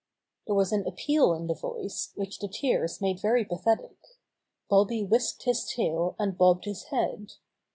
There was an appeal in the voice which the tears made very pathetic. Bobby whisked his tail, and bobbed his head.